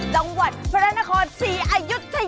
ดังวัดพระราชนาคม๔อายุทยา